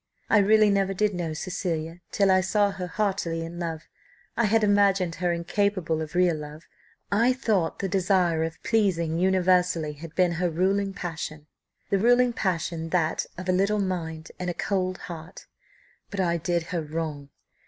I really never did know Cecilia till I saw her heartily in love; I had imagined her incapable of real love; I thought the desire of pleasing universally had been her ruling passion the ruling passion that, of a little mind and a cold heart; but I did her wrong.